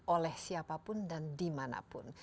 oleh siapapun dan dimanapun